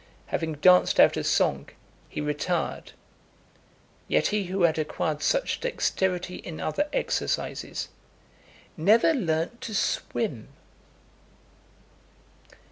Having danced out a song, he retired. Yet he who had acquired such dexterity in other exercises, never learnt to swim.